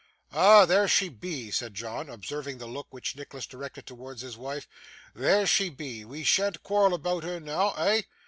'Ah! there she be,' said John, observing the look which Nicholas directed towards his wife. 'There she be we shan't quarrel about her noo eh?